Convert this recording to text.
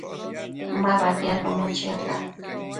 Ma badiadbono chiata